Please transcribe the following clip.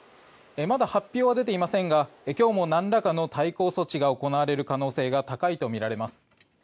まだ発表は出ていませんが今日もなんらかの対抗措置が行われる可能性が高いとみられます。